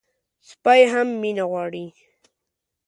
سپي هم مینه غواړي.